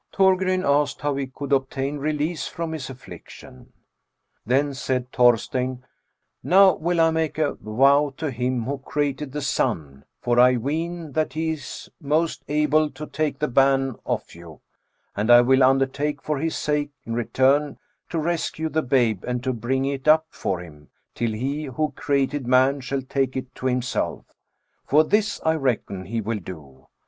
*' Thorir asked how be could obtain release from his aflBiction .... Then said Thorsteinn, *Now will I make a vow to Him who created the sun, for I ween that he is most able to take the ban off you, and I will undertake for His sake, in return, to rescue the babe and to bring it up for him, till He who created man shall take it to Himself — for this I reckon He will do